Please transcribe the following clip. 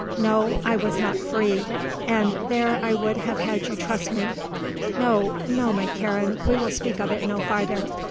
No; I was not free; and there I would have had you trust me. No, no, my Karen, we will speak of it no farther.